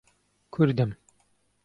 کوردم.